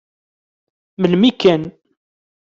Melmi kan.